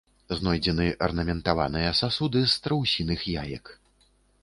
Знойдзены арнаментаваныя сасуды з страусіных яек.